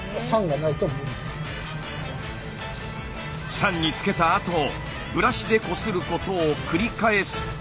酸につけたあとブラシでこすることを繰り返すと。